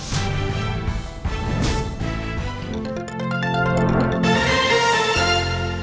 โปรดติดตามตอนต่อไป